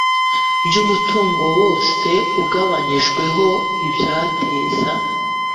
by umutungo wose ugabanyijweho ibyateza